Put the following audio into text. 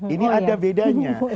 ini ada bedanya